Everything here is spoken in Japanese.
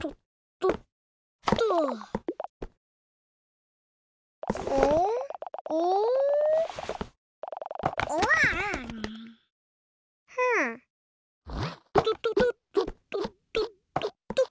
とととっとっとっとっ。